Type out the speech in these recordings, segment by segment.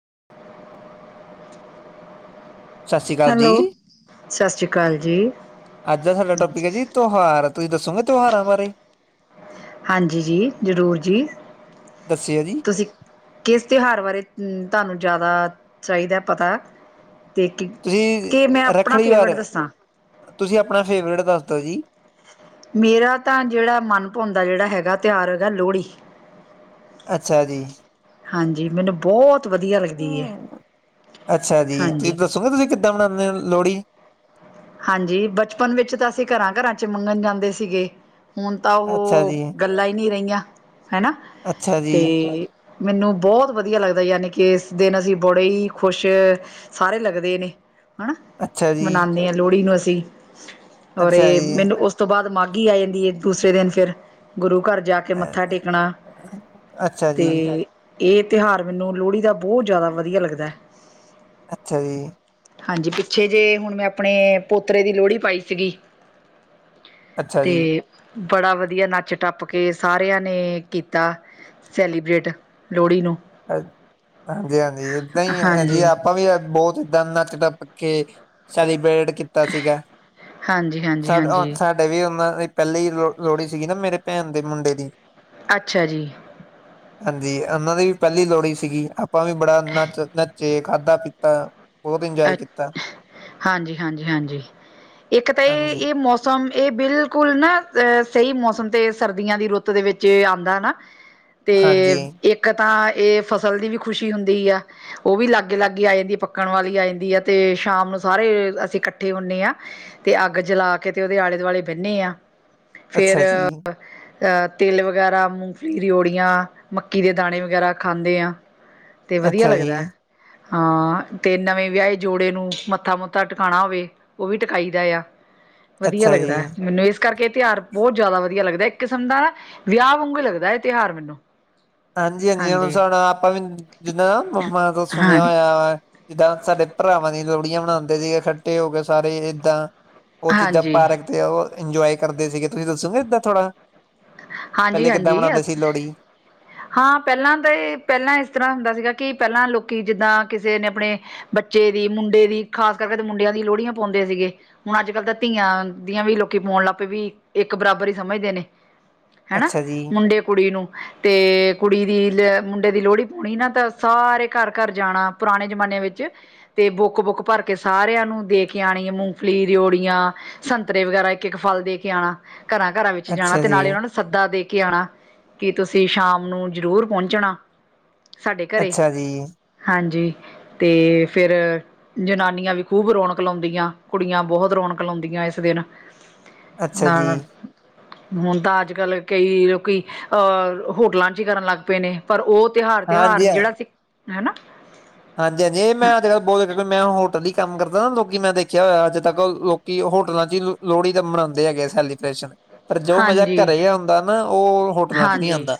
[inaudible] [unintelligible] ਸਤਿ ਸ੍ਰੀ ਅਕਾਲ ਜੀ ਹੈਲੋ ਸਤਿ ਸ਼੍ਰੀ ਅਕਾਲ ਜੀ ਅੱਜ ਦਾ ਸਾਡਾ ਟੋਪਿਕ ਹੈ ਜੀ ਤਿਉਹਾਰ ਤੁਸੀਂ ਦੱਸੋਗੇ ਤਿਉਹਾਰਾਂ ਬਾਰੇ ਹਾਂਜੀ ਜੀ ਜ਼ਰੂਰ ਜੀ ਦੱਸਿਓ ਜੀ ਤੁਸੀਂ ਕਿਸ ਤਿਉਹਾਰ ਬਾਰੇ ਤੁਹਾਨੂੰ ਜ਼ਿਆਦਾ ਚਾਹੀਦਾ ਪਤਾ ਤੇ ਕਿ ਤੁਸੀਂ ਕਿ ਮੈਂ ਆਪਣਾ ਰੱਖੜੀ ਵਾਰ ਫੇਵਰੇਟ ਦੱਸਾਂ ਤੁਸੀਂ ਆਪਣਾ ਫੇਵਰੇਟ ਦੱਸ ਦਿਓ ਜੀ ਮੇਰਾ ਤਾਂ ਜਿਹੜਾ ਮਨਭਾਣਦਾ ਜਿਹੜਾ ਹੈਗਾ ਤਿਉਹਾਰ ਹੈਗਾ ਲੋਹੜੀ ਅੱਛਾ ਜੀ ਹਾਂਜੀ ਮੈਨੂੰ ਬਹੁਤ ਵਧੀਆ ਲੱਗਦੀ ਹੈ ਹ ਅੱਛਾ ਜੀ ਤੁਸੀਂ ਹਾਂਜੀ ਦੱਸੋਗੇ ਤੁਸੀਂ ਕਿ ਕਿੱਦਾਂ ਮਨਾਉਂਦੇ ਲੋਹੜੀ ਹਾਂਜੀ ਬਚਪਨ ਵਿੱਚ ਤਾਂ ਅਸੀਂ ਘਰਾਂ ਘਰਾਂ ਚ ਮੰਗਣ ਜਾਂਦੇ ਸੀਗੇ ਹੁਣ ਤਾਂ ਅੱਛਾ ਉਹ ਜੀ ਗੱਲਾਂ ਹੀ ਨਹੀਂੀ ਰਹੀਆਂ ਹਨਾ ਅੱਛਾ ਜੀ ਤੇ ਮੈਨੂੰ ਬਹੁਤ ਵਧੀਆ ਲੱਗਦਾ ਯਾਨੀ ਕਿ ਇਸ ਦਿਨ ਅਸੀਂ ਬੜੇ ਹੀ ਖੁਸ਼ ਸਾਰੇ ਲੱਗਦੇ ਨੇ ਹਨਾ ਅੱਛਾ ਜੀ ਮਨਾਉਂਦੇ ਹਾਂ ਕੁੜੀ ਨੂੰ ਅਸੀਂ ਔਰ ਅੱਛਾ ਇਹ ਜੀ ਮੈਨੂੰ ਉਸ ਤੋਂ ਬਾਅਦ ਮਾਘੀ ਆ ਜਾਂਦੀ ਦੂਸਰੇ ਦਿਨ ਫਿਰ ਗੁਰੂ ਘਰ ਜਾ ਕੇ ਅ ਮੱਥਾ ਟੇਕਣਾ ਅੱਛਾ ਜੀ ਤੇ ਇਹ ਤਿਉਹਾਰ ਮੈਨੂੰ ਲੋਹੜੀ ਦਾ ਬਹੁਤ ਜ਼ਿਆਦਾ ਵਧੀਆ ਲੱਗਦਾ ਅੱਛਾ ਜੀ- ਹਾਂਜੀ ਪਿਛੇ ਜੇ ਹੁਣ ਮੈਂ ਆਪਣੇ ਪੋਤਰੇ ਦੀ ਲੋਹੜੀ ਪਾਈ ਸੀਗੀ ਅੱਛਾ ਜੀ- ਤੇ ਬੜਾ ਵਧੀਆ ਨੱਚ ਟੱਪ ਕੇ ਸਾਰਿਆਂ ਨੇ ਕੀਤਾ ਸੈਲੀਬ੍ਰਰੇਟ ਲੋਹੜੀ ਨੂੰ ਹਾਂਜੀ- ਹਾਂਜੀ ਏਦਾਂ ਹੀ ਜੀ ਹਾਂਜੀ ਆਪਾਂ ਵੀ ਬਹੁਤ ਦਾਨ ਨਚ ਟਪ ਸੈਲੀਬ੍ਰੇਟ ਕੀਤਾ ਸੀਗਾ ਹਾਂਜੀ ਹਾਂਜੀ ਸਾ ਹਾਂਜੀ ਸਾਡੇ ਵੀ ਉਹਨਾਂ ਪਹਿਲੀ ਹੀ ਲੋਹੜੀ ਸੀ ਮੇਰੇ ਭੈਣ ਦੇ ਮੁੰਡੇ ਦੀ ਅੱਛਾ ਜੀ- ਹਾਂਜੀ ਉਹਨਾਂ ਦੀ- ਪਹਿਲੀ ਲੋਹੜੀ ਸੀਗੀ ਆਪਾਂ ਵੀ ਬੜਾ ਨੱਚ ਨੱਚੇ ਖਾਧਾ ਪੀਤਾ ਬਹੁਤ ਇੰਜੋਏ ਕੀਤਾ ਅੱਛਾ, ਹਾਂਜੀ- ਹਾਂਜੀ- ਹਾਂਜੀ ਇਕ ਤਾਂ ਇਹ। ਹਾਂਜੀ ਇਹ ਮੌਸਮ ਇਹ ਬਿਲਕੁਲ ਨਾ ਅਹ ਸਹੀ ਮੌਸਮ ਤੇ ਸਰਦੀਆਂ ਦੀ ਰੁੱਤ ਦੇ ਵਿੱਚ ਆਉਂਦਾ ਨਾ। ਤੇ ਹਾਂਜੀ ਇੱਕ ਤਾਂ- ਇਹ ਫਸਲ ਦੀ ਵੀ ਖੁਸ਼ੀ ਹੁੰਦੀ ਆ ਉਹ ਵੀ ਲਾਗੇ- ਲਾਗੇ ਆ ਜਾਂਦੀ ਪੱਕਣ ਵਾਲੀ ਆ ਜਾਂਦੀ। ਆ ਤੇ ਸ਼ਾਮ ਨੂੰ ਸਾਰੇ ਅਸੀ ਇਕੱਠੇ ਹੁੰਦੇ ਹਾਂ ਤੇ ਅੱਗ ਜਲਾ ਕੇ ਤੇ ਉਹਦੇ ਆਲੇ ਦੁਆਲੇ ਬਹਿੰਦੇ ਹਾਂ। ਅੱਛਾ ਜੀ- ਅਹ ਤਿਲ ਵਗੈਰਾ ਮੂੰਗਫਲੀ ਰਓੜੀਆਂ ਮੱਕੀ ਦੇ ਦਾਣੇ ਵਗੈਰਾ ਖਾਂਦੇ ਆ ਤੇ ਵਧੀਆ ਅੱਛਾ ਜੀ ਲੱਗਦਾ। ਹਾਂ ਤੇ ਨਵੇਂ- ਵਿਆਹੇ ਜੋੜੇ ਨੂੰ ਮੱਥਾ ਮੁਥਾ ਟਿਕਾਉਣਾ ਹੋਵੇ ਉਹ ਵੀ ਟਕਾਈ ਦਾ ਆ ਵਧੀਆ ਅੱਛਾ ਜੀ ਲੱਗਦਾ ਹੈ। ਮੈਨੂੰ ਇਸ ਕਰਕੇ ਤਿਉਹਾਰ ਬਹੁਤ ਜ਼ਿਆਦਾ ਵਧੀਆ ਲੱਗਦਾ ਇਕ ਕਿਸਮ ਦਾ ਨਾ ਵਿਆਹ ਵਾਂਗੂ ਲੱਗਦਾ ਇਹ ਤਿਉਹਾਰ ਮੈਨੂੰ ਹਾਂਜੀ- ਹਾਂਜੀ ਹੁਣ ਆਪਾਂ ਵੀ ਜਿੱਦਾਂ ਮੰਮਾ ਤੋ ਹਾਂ ਸੁਣਿਆ ਹੋਇਆ ਵਾ ਜਿਦਾਂ ਸਾਡੇ ਭਰਾਵਾਂ ਦੀਆਂ ਲੋਹੜੀਆਂ ਮਨਾਉਂਦੇ ਸੀ ਇਕਠੇ ਹੋ ਕੇ ਸਾਰੇ ਏਦਾਂ। ਉਹ ਚੀਜ਼ਾਂ ਹਾਂਜੀ ਪਾਰਕ ਤੇ ਉਹ। ਇੰਜੋਏ ਕਰਦੇ ਸੀ ਤੁਸੀ ਦਸੋਗੇ ਇਦਾਂ ਥੋੜਾ? ਹਾਂਜੀ ਪਹਿਲੇ ਕਿੱਦਾਂ ਮਨਾਉਂਦੇ ਸੀ ਹਾਂਜੀ ਲੋਹੜੀ? ਹਾਂ ਪਹਿਲਾਂ ਤਾਂ ਪਹਿਲਾਂ ਇਸ ਤਰ੍ਹਾਂ ਹੁੰਦਾ ਸੀ ਕਿ ਪਹਿਲਾਂ ਲੋਕੀ ਜਿਦਾਂ ਕਿਸੇ ਨੇ ਆਪਣੇ ਬੱਚੇ ਦੀ ਮੁੰਡੇ ਦੀ ਖਾਸ ਕਰਕੇ ਮੁੰਡਿਆਂ ਦੀ ਲੋਹੜੀਆਂ ਪਾਉਂਦੇ ਸੀ ਹੁਣ ਅੱਜ ਕਲ ਤਾਂ ਧੀਆਂ ਦੀਆਂ ਵੀ ਲੋਕੀ ਪਾਉਣ ਲੱਗ ਪਏ ਵੀਕਿ ਇੱਕ ਬਰਾਬਰ ਹੀ ਸਮਝਦੇ ਨੇ। ਹੈਨਾ ਅੱਛਾ ਜੀ ਮੁੰਡੇ ਕੁੜੀ ਨੂੰ ਤੇ ਕੁੜੀ ਦੀ ਲ ਮੁੰਡੇ ਦੀ ਲੋਹੜੀ ਪਾਉਣੀ ਤਾਂ ਸਾਰੇ ਘਰ ਘਰ ਜਾਣਾ ਪੁਰਾਣੇ ਜਮਾਨੇ ਵਿਚ ਤੇ ਬੁੱਕ ਬੁੱਕ ਭਰ ਕੇ ਸਾਰਿਆਂ ਨੂੰ ਦੇ ਕੇ ਆਉਣੀ ਮੂੰਗਫਲੀ ਰੇਓੜੀਆਂ ਸੰਤਰੇ ਵਗੈਰਾ ਇਕ- ਇਕ ਫਲ ਦੇ ਕੇ ਆਉਣਾ। ਘਰਾਂ- ਘਰਾਂ ਵਿਚ ਜਾਣਾ ਅੱਛਾ ਤੇ ਜੀ ਨਾਲੇ ਉਹਨਾਂ ਨੂੰ ਦੇ ਕੇ ਆਉਣਾ ਕਿ ਤੁਸੀਂ ਸ਼ਾਮ ਨੂੰ ਜ਼ਰੂਰ ਪਹੁੰਚਣਾ। ਸਾਡੇ ਘਰੇ ਅੱਛਾ ਜੀ, ਹਾਂਜੀ ਤੇ ਫਿਰ ਜਨਾਨੀਆਂ ਵੀ ਖੂਬ ਰੌਣਕ ਲਾਉਂਦੀਆਂ ਕੁੜੀਆਂ ਬਹੁਤ ਰੌਣਕ ਲਾਉਂਦੀਆਂ ਇਸ ਦਿਨ। ਅੱਛਾ ਜੀ ਹੁੰਦਾ ਅੱਜ ਨਾਲੇ ਕਈ ਲੋਕੀ ਅਹ ਹੋਟਲਾਂ ਚ ਹੀ ਕਰਨ ਲੱਗ ਪਏ ਨੇ ਪਰ ਉਹ ਤਿਉਹਾਰ- ਤਿਉਹਾਰ ਹਾਂਜੀ ਨਹੀ ਹਾਂ। ਜਿਹੜਾ ਸ ਹੈ ਨਾਂ। ਹਾਂਜੀ- ਹਾਂਜੀ ਜੇ ਮੈ ਅੱਜ ਬਹੁਤ ਮੈਂ ਹੋਟਲ ਹੀ ਕੰਮ ਕਰਦਾ। ਪਤਾ ਨਾ ਲੋਕੀ ਮੈਂ ਦੇਖਿਆ ਹੋਇਆ ਅੱਜ ਤੱਕ ਲੋਕੀ ਹੋਟਲਾਂ ਚ ਹੀ ਲੋਹੜੀ ਤਾਂ ਮਨਾਉਂਦੇ ਹੈਗੇ ਸੈਲੀਬ੍ਰੇਸ਼ਨ। ਪਰ ਜੋ ਮਜ਼ਾ ਹਾਂਜੀ ਘਰੇ ਆਉਦਾ ਨਾ ਉਹ ਹੋਟਲਾਂ ਚ ਨਹੀਂ ਹਾਂਜੀ ਆਉਂਦਾ।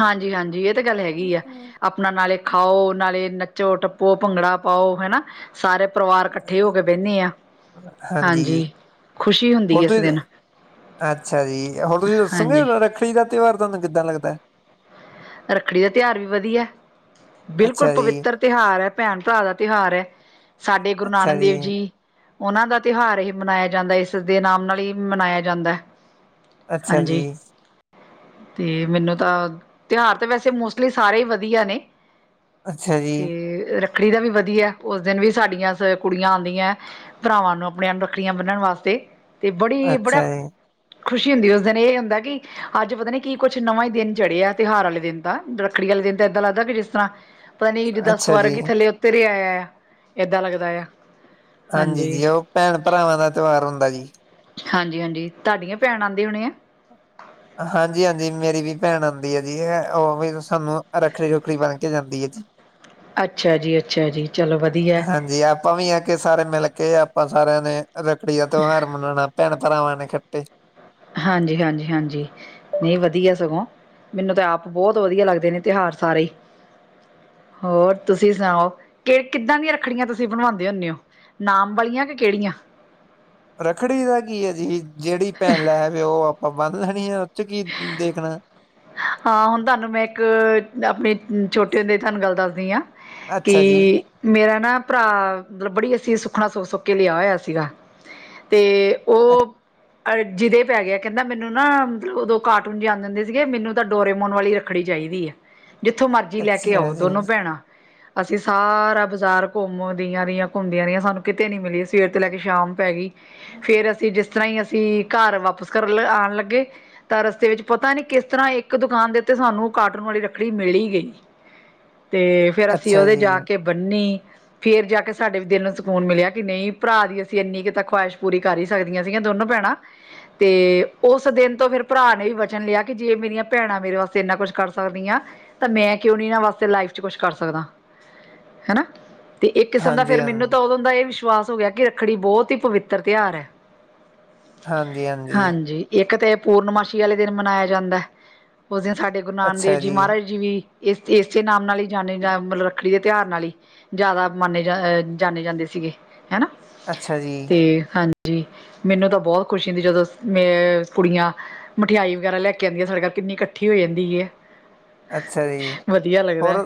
-ਹਾਂਜੀ -ਹਾਂਜੀ ਇਹ ਤੇ ਗੱਲ ਹੈਗੀ ਆ ਆਪਣਾ ਨਾਲੇ ਖਾਓ। ਨਾਲੇ ਨੱਚੋ ਟੱਪੋ ਭੰਗੜਾ ਪਾਓ ਹੈ ਨਾ ਸਾਰੇ। ਪਰਿਵਾਰ ਇਕੱਠੇ ਹੋ ਕੇ ਬਹਿੰਦੇ ਆ ਹਾਂਜੀ ਖੁਸ਼ੀ ਹੁੰਦੀ ਹੈ ਹੁਣ ਇਸ ਤੁਸੀਂ ਦਿਨ ਅੱਛਾ ਜੀ ਹੁਣ ਤੁਸੀਂ ਦੱਸੋਗੇ ਹਾਂਜੀ ਰੱਖੜੀ ਦਾ ਤਿਵਾਰ ਤੁਹਾਨੂੰ ਕਿੱਦਾਂ ਲੱਗਦਾ ਹੈ ਰੱਖੜੀ ਦਾ ਤਿਉਹਾਰ ਵੀ ਵਧੀਆ ਬਿਲਕੁਲ ਅੱਛਾ ਜੀ, ਪਵਿੱਤਰ ਤਿਉਹਾਰ ਹੈ ਭੈਣ -ਭਰਾ ਦਾ ਤਿਉਹਾਰ ਹੈ ਸਾਡੇ ਗੁਰੂ ਨਾਨਕ ਦੇਵ ਜੀ ਉਹਨਾਂ ਦਾ ਤਿਉਹਾਰ ਹੀ ਮਨਾਇਆ ਜਾਂਦਾ ਦੇ ਨਾਮ ਨਾਲ ਹੀ ਮਨਾਇਆ ਜਾਂਦਾ ਹੈ ਅੱਛਾ ਜੀ ਤੇ ਮੈਨੂੰ ਤਾਂ ਤਿਉਹਾਰ ਤਾਂ ਵੈਸੇ ਮੋਸਟਲੀ ਸਾਰੇ ਹੀ ਵਧੀਆ ਨੇ ਅੱਛਾ ਜੀ, ਤੇ ਰੱਖ ਰੱਖੜੀ ਦਾ ਵੀ ਵਧੀਆ ਉਸ ਦਿਨ ਵੀ ਸਾਡੀਆਂ ਕੁੜੀਆਂ ਆਉਂਦੀਆਂ ਭਰਾਵਾਂ ਨੂੰ ਆਪਣੀਆਂ ਨੂੰ ਰੱਖੜੀਆਂ ਬੰਨਣ ਵਾਸਤੇ ਤੇ ਬੜੀ ਬੜਾ ਅੱਛਾ ਜੀ। ਖੁਸ਼ੀ ਹੁੰਦੀ ਉਸ ਦਿਨ ਇਹ ਹੁੰਦਾ ਕਿ ਅੱਜ ਪਤਾ ਨੀ ਕੀ ਕੁੱਛ ਨਵਾਂ ਹੀ ਦਿਨ ਚੜ੍ਹਿਆ ਤਿਉਹਾਰ ਵਾਲੇ ਦਿਨ ਦਾ ਰੱਖੜੀ ਵਾਲੇ ਦਿਨ ਤਾਂ ਇਏਦਾਂ ਲੱਗਦਾ ਕਿ ਜਿਸ ਤਰ੍ਹਾਂ ਪਤਾ ਨੀ ਜੇ ਦਸ ਅੱਛਾ ਵਰ ਜੀ, ਕੀ ਥੱਲ ਉੱਤੇਰੇਇਆ ਏਦਾਂ ਲੱਗਦਾ ਆ ਹਾਂਜੀ ਜੀ ਉਹ ਭੈਣ ਭਰਾਵਾਂ ਦਾ ਤਿਉਹਾਰ ਹੁੰਦਾ ਜੀ ਹਾਂਜੀ -ਹਾਂਜੀ ਤੁਹਾਡੀਆਂ ਭੈਣ ਆਉਂਦੀ ਹੋਣੀ ਆ ਹਾਂਜੀ- ਹਾਂਜੀ ਮੇਰੀ ਵੀ ਭੈਣ ਆਉਂਦੀ ਹੈ ਜੀ ਹੈ ਉਹ ਵੀ ਸਾਨੂੰ ਰੱਖੜੀ ਰੁੱਖੜੀ ਬਣ ਕੇ ਜਾਂਦੀ ਹੈ ਜੀ ਅੱਛਾ ਜੀ ਅੱਛਾ ਜੀ ਚਲੋ ਵਧੀਆ ਹਾਂਜੀ ਆਪਾਂ ਵੀ ਆ ਕੇ ਸਾਰੇ ਮਿਲ ਕੇ ਆਪਾਂ ਸਾਰਿਆਂ ਨੇ ਰੱਖੜੀ ਦਾ ਤਿਉਹਾਰ ਮਨਾਉਣਾ ਭੈਣ ਤਵਾਂ ਨੇ ਖੱਟੇ ਹਾਂਜੀ ਹਾਂਜੀ ਹਾਂਜੀ ਨਹੀਂ ਵਧੀਆ ਸਗੋਂ ਮੈਨੂੰ ਤਾਂ ਆਪ ਬਹੁਤ ਵਧੀਆ ਲੱਗਦੇ ਨੇ ਤਿਉਹਾਰ ਸਾਰੇ ਹੀ ਹੋਰ ਤੁਸੀਂ ਸੁਣਾਓ ਕਿ ਕਿੱਦਾਂ ਦੀਆਂ ਰੱਖੜੀਆਂ ਤੁਸੀਂ ਬਣਵਾਉਂਦੇ ਹੁੰਦੇ ਹੋ ਨਾਮ ਵਾਲੀਆਂ ਕਿ ਕਿਹੜੀਆਂ ਰੱਖੜੀ ਦਾ ਕੀ ਹੈ ਜੀ ਜਿਹੜੀ ਭੈਣ ਲੈ ਹੈਵੇ ਉਹ ਆਪਾਂ ਵੱਧਦਾਣੀ ਆ ਚ ਕੀ ਦੇਖਣਾ ਹਾਂ ਹੁਣ ਤੁਹਾਨੂੰ ਮੈਂ ਇੱਕ ਆਪਣੀ ਛੋਟਟੀ ਹੁੰਦੇ ਤੁਹਾਨੂੰ ਗੱਲ ਦੱਸ ਰਧੀਆ ਕਿ ਅੱਛਾ ਜੀ ਮੇਰਾ ਨਾ ਭਰਾ ਮਤਲਬ ਬੜੀ ਅਸੀਂ ਸੁੱਖਣਾ ਸੁੱਖ ਸੁੱਕ ਕੇ ਲਿਆ ਹੋਇਆ ਸੀਗਾ ਤੇ ਅੱ- ਉਹ ਅ ਜਿਹਦੇ ਪੈ ਗਿਆ ਕਹਿੰਦਾ ਮੈਨੂੰ ਨਾ ਮਤਲਬ ਉਦੋਂ ਕਾਰਟੂਨ ਜਾਂਣ ਦਿੰਦੇ ਸੀਗੇ ਮੈਨੂੰ ਤਾਂ ਡੋਰੇਮੋਨ ਵਾਲੀ ਰੱਖੜੀ ਚਾਹੀਦੀ ਹੈ। ਜਿੱਥੋਂ ਮਰਜ਼ੀ ਲੈ ਕੇ ਅੱਛਾ ਆਓ ਜੀ। ਦੋਨੋ ਭੈਣਾਂ। ਅਸੀਂ ਸਾਰਾ ਬਾਜ਼ਾਰ ਘੁੰਮਦੀਆਂ ਰਹੀਆਂ ਘੁੰਮਦੀਆਂ ਰਹੀਆਂ ਸਾਨੂੰ ਕਿਤੇ ਨੀ ਮਿਲੀ ਸਵੇਰ ਤੋਂ ਲੈ ਕੇ ਸ਼ਾਮ ਪੈ ਗਈ। ਫੇਰ ਅਸੀਂ ਜਿਸ ਇਸ ਤਰ੍ਹਾਂ ਹੀ ਅਸੀਂ ਘਰ ਵਾਪਿਸ ਕਰਨ ਲ ਆਉਣ ਲੱਗੇ ਤਾਂ ਰਸਤੇ ਵਿੱਚ ਪਤਾ ਨੀ ਕਿਸ ਤਰ੍ਹਾਂ ਇੱਕ ਦੁਕਾਨ ਦੇ ਉੱਤੇ ਸਾਨੂੰ ਕਾਰਾਟੂਨ ਵਾਲੀ ਰੱਖੜੀ ਮਿਲੀ ਗਈ। ਤੇ ਫਿਰ ਅਸੀਂ ਅੱਛਾ ਉਹਦੇ ਜੀ ਜਾ ਕੇ ਬੰਨੀ ਫੇਰ ਜਾ ਕੇ ਸਾਡੇ ਵੀ ਦਿਲ ਨੂੰ ਸਕੂਨ ਮਿਲਿਆ ਕਿ ਨਹੀਂ ਭਰਾ ਦੀ ਅਸੀਂ ਇੰਨੀ ਕੁ ਤਾਂ ਖਵਾਹਿਸ਼ ਪੂਰੀ ਕਰ ਹੀ ਸਕਦੀਆਂ ਸੀਗੀਆਂ ਦੋਨੋ ਭੈਣਾਂ ਤੇ ਉਸ ਦਿਨ ਤੋਂ ਫਿਰ ਭਰਾ ਨੇ ਵੀ ਵਚਨ ਲਿਆ ਕਿ ਜੇ ਮੇਰੀਆਂ ਭੈਣਾਂ ਮੇਰੇ ਵਾਸਤੇ ਇਨਾ ਕੁਛ ਕਰ ਸਕਦੀਆਂ ਤਾਂ ਮੈਂ ਕਿਉਂ ਨੀ ਇਹਨਾਂ ਵਾਸਤੇ ਲਾਈਫ ਚ ਕੁਛ ਕਰ ਸਕਦਾ ਹਨਾ। ਤੇ ਇੱਕ ਕਿਸਮ ਦਾ ਹਾਂਜੀ ਫਿਰ ਹਾਂ ਮੈਨੂੰ ਤਾਂ ਉਦੋਂ ਦਾ ਇਹ ਵਿਸ਼ਵਾਸ ਹੋ ਗਿਆ ਕਿ ਰੱਖੜੀ ਬਹੁਤ ਹੀ ਪਵਿੱਤਰ ਤਿਉਹਾਰ ਹੈ। ਹਾਂਜੀ-ਹਾਂਜੀ ਹਾਂਜੀ ਇੱਕ ਤਾਂ ਪੂਰਨਮਾਸ਼ੀ ਵਾਲੇ ਦਿਨ ਮਨਾਇਆ ਜਾਂਦਾ ਹੈ। ਉਸ ਦਿਨ ਸਾਡੇ ਗੁਰੂ ਨਾਨਕ ਦੇਵ ਜੀ ਮਹਾਰਾਜ ਜੀ ਵੀ ਇਸ ਇਸੇ ਨਾਮ ਨਾਲ ਹੀ ਜਾਨੇ ਮਤਲਬ ਰੱਖੜੀ ਦੇ ਤਿਉਹਾਰ ਨਾਲ ਹੀ ਜ਼ਿਆਦਾ ਮਨੇ ਜਾਂ ਜਾਣੇ ਜਾਂਦੇ ਸੀਗੇ। ਹਨਾ ਅੱਛਾ ਜੀ ਤੇ ਹਾਂਜੀ। ਜੀ ਮੈਨੂੰ ਤਾਂ ਬਹੁਤ ਖੁਸ਼ੀ ਹੁੰਦੀ ਜਦੋਂ ਮੈਂ ਕੁੜੀਆਂ ਮਠਿਆਈ ਵਗੈਰਾ ਲੈ ਕੇ ਆਂਦੀ ਆ ਸਾਡੇ ਗੱਲ ਕਿੰਨੀ ਇਕੱਠੀ ਹੋ ਜਾਂਦੀ ਏ। ਅੱਛਾ ਜੀ ਹੋਰ ਲੱਗਦਾ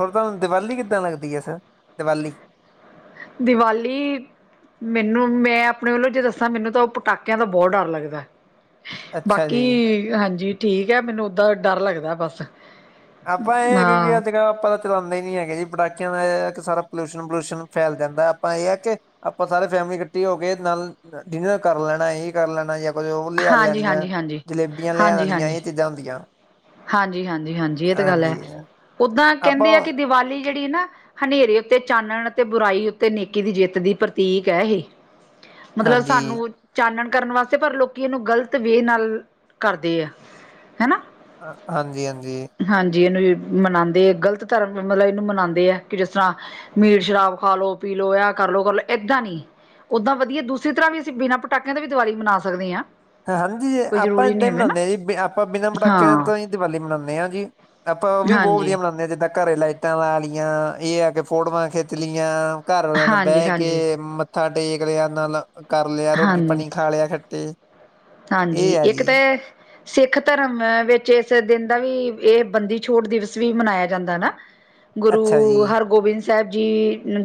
ਹੋਰ ਤੁਹਾਨੂੰ ਦੀਵਾਲੀ ਕਿੱਦਾਂ ਲੱਗਦੀ ਹੈ ਸਰ ਦੀਵਾਲੀ। ਦੀਵਾਲੀ ਮੈਨੂੰ ਮੈਂ ਆਪਣੇ ਵੱਲੋਂ ਜੇ ਦੱਸਾਂ ਮੈਨੂੰ ਤਾਂ ਉਹ ਪਟਾਕਿਆਂ ਦਾ ਬਹੁਤ ਡਰ ਲੱਗਦਾ ਅੱਛਾ ਬਾਕੀ ਜੀ। ਹਾਂਜੀ! ਠੀਕ ਹੈ, ਮੈਨੂੰ ਓਦਾਂ ਡਰ ਲੱਗਦਾ ਬਸ । ਆਪਾਂ ਇਹ ਨੀ ਕਿਹਾ ਸੀਗਾ ਆਪਾਂ ਚਲਾਂਦੇ ਨੀ ਹੈਗੇ ਜੀ ਪਟਾਕਿਆਂ। ਇਹ ਕਿ ਸਾਰਾ ਪੋਲਿਊਸ਼ਨ ਪਲੂਊਸ਼ਨ ਫੈਲ ਜਾਂਦਾ ਆਪਾਂ ਇਹ ਹੈ ਕਿ ਆਪਾਂ ਸਾਰੇ ਫੈਮਿਲੀ ਇਕੱਠੀ ਹੋ ਕੇ ਨਾਲ ਡਿਨਰ ਕਰ ਲੈਣਾ ਇਹੀ ਕਰ ਲੈਣਾ ਜਾਂ। ਕੁਝ ਉਹ ਲਿਆ ਲੈਣੀਆਂ ਹਾਂਜੀ-ਹਾਂਜੀ, ਹਾਂਜੀ। ਜਲੇਬੀਆਂ ਲਿਆ ਲੈਣੀਆਂ ਹਾਂਜੀ-ਹਾਂਜੀ, ਇਹ ਹਾਂਜੀ-ਹਾਂਜੀ, ਚੀਜ਼ਾਂ ਹੁੰਦੀਆਂ। ਹਾਂਜੀ ਹਾਂਜੀ। ਜੀ ਹਾਂਜੀ ਇਹ ਤਾਂ ਗੱਲ ਹੈ ਉੱਦਾਂ ਆਪਾਂ ਕਹਿੰਦੇ ਆ ਕਿ ਦੀਵਾਲੀ। ਜਿਹੜੀ ਨਾ ਹਨੇਰੇ ਉੱਤੇ ਚਾਨਣ ਤੇ ਬੁਰਾਈ ਉੱਤੇ ਨੇਕੀ ਦੀ ਜਿੱਤ ਦੀ ਪ੍ਰਤੀਕ ਐ ਇਹੇ। ਮਤਲਬ ਹਾਂਜੀ ਸਾਨੂੰ ਚਾਨਣ। ਕਰਨ ਵਾਸਤੇ ਪਰ ਲੋਕੀ ਇਹਨੂੰ ਗ਼ਲਤ ਵੇ ਨਾਲ ਕਰਦੇ ਆ ਹੈਨਾ। ਹਾਂਜੀ ਹਾਂਜੀ। ਮਨਾਉਂਦੇ ਆ ਗ਼ਲਤ ਧਰਮ ਮਤਲਬ ਇਹਨੂੰ ਮਨਾਉਂਦੇ ਆ ਕਿ ਮਨਾਉਂਦੇ ਗਲਤ ਧਰਮ ਨੂੰ ਮਨਾਉਂਦੇ ਜਿਸ ਤਰ੍ਹਾਂ ਮੀਟ ਸ਼ਰਾਬ ਖਾ ਲੋ ਪੀ ਲੋ ਆ ਕਰਲੋ ਕਰਲੋ ਏਦਾਂ ਨੀ ਓਦਾਂ ਵਧੀਆ ਦੂਸਰੀ ਤਰ੍ਹਾਂ ਵੀ ਅਸੀਂ ਬਿਨਾਂ ਪਟਾਕਿਆਂ ਦਾ ਵੀ ਦੀਵਾਲੀ ਸਕਦੇ ਹਾਂ। ਹਾਂਜੀ ਕੋਈ ਆਪਾਂ ਜ਼ਰੂਰੀ ਨੀ ਏਦਾਂ ਹੀ ਹੈਗਾ ਨਾ ਮਨਾਂਦੇ ਹਾਂ ਜੀ। ਆਪਾਂ ਬਿਨਾਂ ਪਟਾਕਿਆਂ ਹਾਂ, ਤੋਂ ਹੀ ਦੀਵਾਲੀ ਮਨਾਂਨੇ ਹਾਂ ਜੀ ।ਆਪਾਂ ਉਹ ਵੀ ਬਹੁਤ ਹਾਂਜੀ। ਵਧੀਆ ਮਨਾਨੇ ਜਿੱਦਾਂ ਘਰੇ ਲਾਈਟਾਂ ਲਾ ਲਈਆਂ, ਇਹ ਆ ਕੇ ਫੋਟੋਆਂ ਖਿੱਚ ਲਈਆਂ। ਘਰ ਵਾਲਿਆਂ ਨਾਲ ਹਾਂਜੀ ਬਹਿ ਹਾਂਜੀ ਕੇ ਮੱ ਮੱਥਾ ਟੇਕ ਨਾਲ ਕਰ ਲਿਆ ਹਾਂ ਰੋਟੀ ਪਾਣੀ ਖਾ ਲਿਆ ਕੱਠੇ ਹਾਂਜੀ। ਇੱਕ ਤੇ ਸਿੱਖ ਧਰਮ ਵਿੱਚ ਇਸ ਦਿਨ ਦਾ ਵੀ ਇਹ ਬੰਦੀ ਛੋੜ ਦਿਵਸ ਵੀ ਮਨਾਇਆ ਜਾਂਦਾ ਨਾ। ਗੁਰੂ ਅੱਛਾ ਜੀ ਹਰਗੋਬਿੰਦ ਸਿੰਘ ਸਾਹਿਬ ਜੀ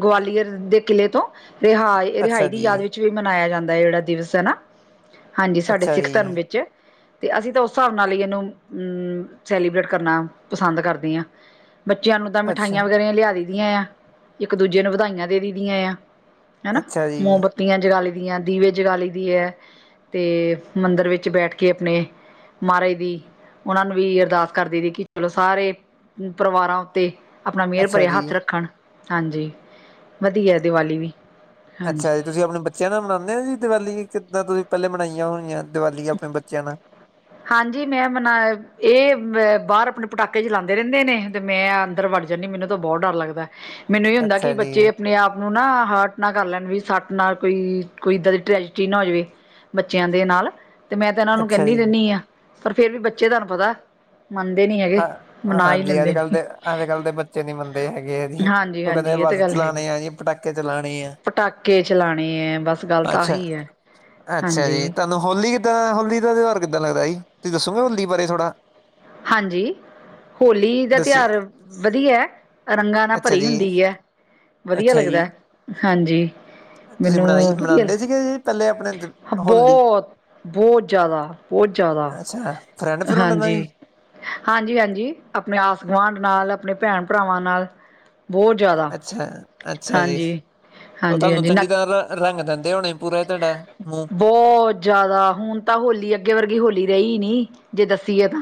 ਗਵਾਲੀਅਰ ਦੇ ਕਿਲ੍ਹੇ ਤੋਂ ਰਿਹਾਈ ਏ ਰਿਹਾਈ ਅੱਛਾ ਦੀ ਜੀ ਯਾਦ ਵਿੱਚ ਵੀ ਮਨਾਇਆ ਜਾਂਦਾ ਇਹ ਜਿੜਾ ਦਿਵਸ ਹੈ ਨਾ ਹਾਂਜੀ ਸਾਡੇ ਅੱਛਾ ਸਿੱਖ ਜੀ ਧਰਮ ਵਿੱਚ ਤੇ ਅਸੀਂ ਤਾਂ ਉਸ ਹਿਸਾਬ ਨਾਲ ਹੀ ਇਹਨੂੰ ਅਮ ਸੈਲੀਬ੍ਰੇਟ ਕਰਨਾ ਪਸੰਦ ਕਰਦੇ ਹਾਂ। ਬੱਚਿਆਂ ਨੂੰ ਤਾਂ ਅੱਛਾ ਮਿਠਾਈਆਂ ਵਗੈਰਾ ਲਿਆ ਦੀ ਇੱਕ ਦੂਜੇ ਨੂੰ ਵਧਾਈਆਂ ਦੇ ਦੀ ਆ ਹੈਨਾ ਅੱਛਾ ਜੀ ਮੋਮਬੱਤੀਆਂ ਜਗਾ ਲੀ ਜ ਦੀਵੇ ਜਗਾਲੀ ਦੀ ਹੈ [unintelligible] ਤੇ ਮੰਦਿਰ ਵਿੱਚ ਬੈਠ ਕੇ ਆਪਣੇ, ਮਾਹਾਰਾਜ ਦੀ, ਉਹਨਾਂ ਨੂੰ ਵੀ ਅਰਦਾਸ ਕਰਦੀ ਵੇਖੀ ਕਿ ਚਲੋ ਸਾਰੇ ਪਰਿਵਾਰਾਂ ਆਪਣਾ ਮਿਹਰ ਅੱਛਾ ਭਰਿਆ ਜੀ ਹੱਥ ਰੱਖਣ । ਹਾਂਜੀ। ਵਧੀਆ ਦੀਵਾਲੀ ਵੀ ਹਾਂਜੀ ਅੱਛਾ ਜੀ ਤੁਸੀਂ ਆਪਣੇ ਬੱਚਿਆਂ ਨਾਲ ਮਨਾਉਂਦੇ ਹੋ ਜੀ ਦੀਵਾਲੀ ਕਿੱਦਾਂ ਤੁਸੀਂ ਪਹਿਲੇ ਬਨਾਈਆਂ ਹੋਣੀਆਂ। ਦੀਵਾਲੀ ਆਪਣੇ ਬੱਚਿਆਂ ਨਾਲ ਹਾਂਜੀ ਮੈਂ ਮਨਾ ਇਹ ਅ ਬਾਹਰ ਆਪਣੇ ਪਟਾਕੇ ਚਲਾਾਉਂਦੇ ਰਹਿੰਦੇ ਨੇ ਤੇ ਮੈਂ ਅੰਦਰ ਵੜ ਜਾਂਦੀ ਮੈਨੂੰ ਤਾਂ ਬਹੁਤ ਡਰ ਲੱਗਦਾ ਮੈਨੂੰ ਇਹ ਹੁੰਦਾ ਕਿ ਅੱਛਾ ਜੀ ਬੱਚੇ ਆਪਣੇ ਆਪ ਨੂੰ ਨਾ ਹਰਟ ਨਾ ਕਰ ਲੈਣ ਵੀ ਸੱਟ ਨਾਲ ਕੋਈ ਕੋਈ ਇੱਦਾਂ ਦੀ ਟ੍ਰੈਜਟੀ ਨਾ ਹੋ ਜਾਵੇ ਬੱਚਿਆਂ ਦੇ ਨਾਲ ਤੇ ਮੈਂ ਤਾਂ ਇਹਨਾਂ ਨੂੰ ਅੱਛਾ ਕਹਿੰਦੀ ਜੀ ਰਹਿੰਦੀ ਹਾਂ। ਪਰ ਫੇਰ ਵੀ ਬੱਚੇ ਤੁਹਾਨੂੰ ਪਤਾ ਮੰਨਦੇ ਨਹੀਂ ਹੈਗੇ ਅ ਮਨਾ ਹੀ ਹਾਂਜੀ ਅੱਜ ਲੈਂਦੇ ਕੱਲ ਨੇ ਦੇ ਅੱਜ ਕੱਲ ਦੇ ਬੱਚੇ ਨੀ ਮੰਨਦੇ ਹੈਗੇ ਆ ਜੀ ਹਾਂਜੀ ਉਹ ਕਹਿੰਦੇ ਹਾਂਜੀ ਇਹ ਤਾਂ ਬੱਸ ਗੱਲ ਹੈਗੀ ਚਲਾਣੇ ਆ ਜੀ ਪਟਾਕੇ ਚਲਾਣੇ ਆ ਪਟਾਕੇ ਚਲਾਣੇ ਹੈ ਬਸ ਗੱਲ ਤਾਂ ਅੱਛਾ ਆਹੀ ਹੈ ਅੱਛਾ ਹਾਂਜੀ ਜੀ ਤੁਹਾਨੂੰ ਹੋਲੀ ਕਿੱਦਾਂ ਹੋਲੀ ਦਾ ਤਿਉਹਾਰ ਕਿੱਦਾਂ ਲੱਗਦਾ ਜੀ ਤੁਸੀ ਦੱਸੋਗੇ ਹੋਲੀ ਬਾਰੇ ਥੋੜਾ ਹਾਂਜੀ ਹੋਲੀ ਦਾ ਦੱਸਿਓ ਤਿਉਹਾਰ ਵਧੀਆ ਰੰਗਾਂ ਨਾਲ ਅੱਛਾ ਭਰੀ ਜੀ ਹੁੰਦੀ ਹੈ ਵਧੀਆ ਅੱਛਾ ਜੀ ਲੱਗਦਾ ਹਾਂਜੀ ਤੁਸੀਂ ਮੈਨੂੰ ਮਨਾਈ ਵਧੀਆ ਮਨਾਉਂਦੇ ਸੀਗੇ ਜੀ ਪਹਿਲੇ ਆਪਣੇ ਦ- ਹੋਲੀ ਬਹੁਤ ਬਹੁਤ ਜ਼ਿਆਦਾ ਬਹੁਤ ਜ਼ਿਆਦਾ ਅੱਛਾ ਫਰੈਂਡ ਫਰੁੰਡ ਨਾਲ ਹਾਂਜੀ ਜੀ ਹਾਂਜੀ ਹਾਂਜੀ ਆਪਣੇ ਆਸ ਗੁਆਂਢ ਨਾਲ ਆਪਣੇ ਭੈਣ ਭਰਾਵਾਂ ਨਾਲ ਬਹੁਤ ਜ਼ਿਆਦਾ ਅੱਛਾ ਅੱਛਾ ਜੀ ਹਾਂਜੀ ਉਹ ਹਾਂਜੀ ਤੁਹਾਨੂੰ ਹਾਂਜੀ ਨ ਚੰਗੀ ਤਰ੍ਹਾਂ ਰੰਗ ਦਿੰਦੇ ਹੋਣੇ ਪੂਰਾ ਤੁਹਾਡਾ ਮੂੰਹ ਬਹੁਤ ਜ਼ਿਆਦਾ ਹੁਣ ਤਾਂ ਹੋਲੀ ਅੱਗੇ ਵਰਗੀ ਹੋਲੀ ਰਹੀ ਨੀ ਜੇ ਦੱਸੀਏ ਤਾਂ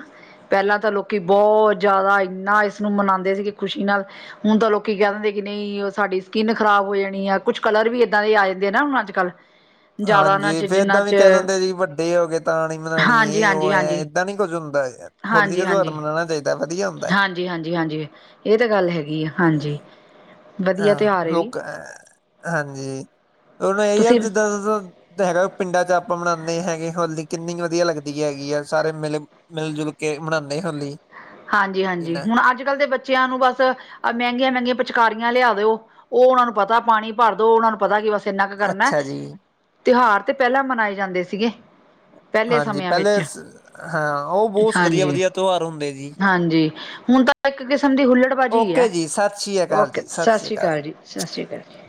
ਪਹਿਲਾਂ ਤਾਂ ਲੋਕੀ ਬਹੁਤ ਜ਼ਿਆਦਾ ਇਨਾ ਇਸਨੂੰ ਮਨਾਉਂਦੇ ਸੀਗੇ ਖੁਸ਼ੀ ਨਾਲ ਹੁਣ ਤਾਂ ਲੋਕੀ ਕਹਿ ਦਿੰਦੇ ਕਿ ਨਹੀਂ ਉਹ ਸਾਡੀ ਸਕਿੰਨ ਖ਼ਰਾਬ ਹੋ ਜਾਣੀ ਆ ਕੁਛ ਕਲਰ ਵੀ ਏਦਾਂ ਦੇ ਆ ਜਾਂਦੇ ਆ ਨਾ ਹੁਣ ਅੱਜ ਕੱਲ੍ਹ ਜ਼ਿਆਦਾ ਨਾ ਹਾਂਜੀ ਚ ਫੇਰ ਜਿੰਨਾ ਏਦਾਂ ਵੀ ਚ ਕਹਿ ਲੈਂਦੇ ਜੀ ਵੱਡੇ ਹੋ ਗਏ ਤਾਂ ਨ ਮਨਾਣੀ ਹਾਂਜੀ ਇਹ ਹਾਂਜੀ ਉਹ ਹੈ ਹਾਂਜੀ ਏਦਾਂ ਨੀ ਕੁੱਝ ਹੁੰਦਾ ਹੋਲੀ ਹਾਂਜੀ ਦਾ ਤਿਉਹਾਰ ਹਾਂਜੀ ਮਨਾਉਣਾ ਚਾਹੀਦਾ ਵਧੀਆ ਹੁੰਦਾ ਹੈ। ਹਾਂਜੀ ਹਾਂਜੀ ਹਾਂਜੀ ਇਹ ਤਾਂ ਗੱਲ ਹੈਗੀ ਆ ਹਾਂਜੀ ਵਧੀਆ ਤਿਉਹਾਰ ਹਾਂ ਵੀ ਲੋਕ ਅਹ ਹਾਂਜੀ ਹੁਣ ਇਹੀ ਆ ਤੁਸੀਂ ਹੈਗਾ ਪਿੰਡਾਂ ਚ ਆਪਾਂ ਮਨਾਉਂਦੇ ਹੈਗੇ ਹੋਲੀ ਕਿੰਨੀ ਵਧੀਆ ਲੱਗਦੀ ਹੈਗੀ ਆ ਸਾਰੇ ਮਿਲ ਮਿਲ ਜੁਲ ਕੇ ਮਨਾਉਂਦੇ ਹੋਲੀ ਹਾਂਜੀ ਹਾਂਜੀ ਨਾ ਹੁਣ ਅੱਜ ਕੱਲ ਦੇ ਬੱਚਿਆਂ ਨੂੰ ਬਸ ਮਹਿੰਗੀਆਂ ਮਹਿੰਗੀਆਂ ਪਿਚਕਾਰੀਆਂ ਲਿਆ ਦਿਓ ਉਹ ਉਹਨਾਂ ਨੂੰ ਪਤਾ ਪਾਣੀ ਭਰ ਦੋ ਉਹਨਾਂ ਨੂੰ ਪਤਾ ਕਿ ਬਸ ਕਿਨਾ ਕੁ ਕਰਨਾ ਅੱਛਾ ਜੀ ਤਿਉਹਾਰ ਤੇ ਪਹਿਲਾਂ ਮਨਾਏ ਜਾਂਦੇ ਸੀਗੇ ਪਹਿਲੇ ਹਾਂਜੀ ਸਮਿਆਂ ਪਹਿਲੇ ਵਿੱਚ ਹਾਂ ਉਹ ਬਹੁਤ ਵਧੀਆ ਹਾਂਜੀ ਵਧੀਆ ਤਿਉਹਾਰ ਹੁੰਦੇ ਜੀ ਹਾਂਜੀ ਹੁਣ ਤਾਂ ਇੱਕ ਕਿਸਮ ਦੀ ਹੁਲੜਬਾਜ਼ੀ ਹੈ ਓਕੇ ਜੀ ਸਤਿ ਸ਼੍ਰੀ ਅਕਾਲ ਓਕੇ ਜੀ ਸਤਿ ਸ਼੍ਰੀ ਸ੍ਰੀ ਅਕਾਲ ਜੀ ਸਤਿ ਸ੍ਰੀ ਅਕਾਲ ਜੀ